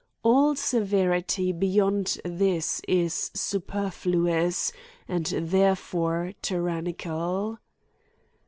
All severity beyond this is superfluous, and therefore tyrannical.